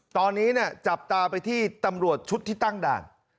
ตอนนี้จับตาไปที่ตำรวจชุดที่ตั้งด่าน